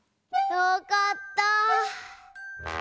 よかったぁ。